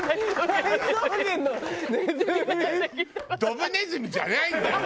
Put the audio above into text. ドブネズミじゃないんだよ